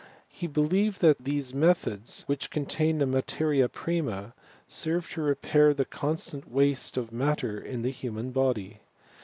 He be lieved that these methods, which contained the materia prinuiy served to repair the constant waste of that mat ter in the human body.